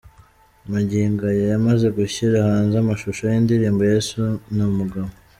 Magingo aya yamaze gushyira hanze amashusho y'indirimbo 'Yesu ni umugabo'.